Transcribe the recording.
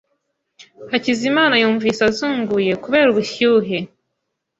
Hakizimana yumvise azunguye kubera ubushyuhe.